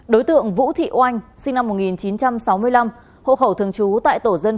đối tượng vũ thị oanh sinh năm một nghìn chín trăm sáu mươi năm hộ khẩu thường trú tại tổ dân